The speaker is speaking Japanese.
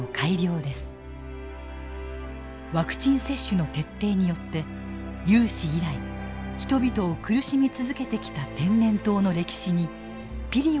ワクチン接種の徹底によって有史以来人々を苦しめ続けてきた天然痘の歴史にピリオドが打たれました。